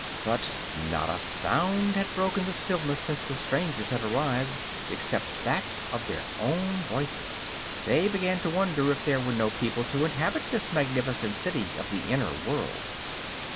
But not a sound had broken the stillness since the strangers had arrived, except that of their own voices. They began to wonder if there were no people to inhabit this magnificent city of the inner world.